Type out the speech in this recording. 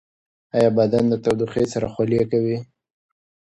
ایا بدن د تودوخې سره خولې کوي؟